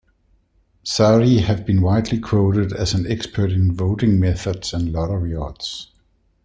Saari has been widely quoted as an expert in voting methods and lottery odds.